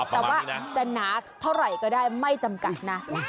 แต่ว่าจะหนาเท่าไหร่ก็ได้ไม่จำกัดนะ